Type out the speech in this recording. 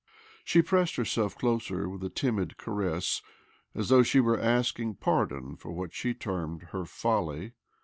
She pressed herself closer with a timid caress, as though she were asking pardon for what she termed her " folly."